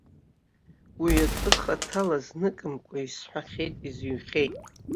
Уи атәы хаҭала зныкымкәа исҳәахьеит, изыҩхьеит.